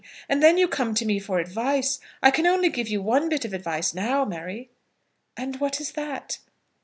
And then you come to me for advice! I can only give you one bit of advice now, Mary." "And what is that?"